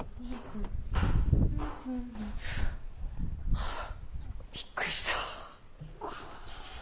あっびっくりした。